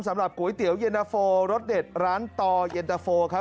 สำหรับก๋วยเตี๋ยวเย็นนาโฟรสเด็ดร้านต่อเย็นตะโฟครับ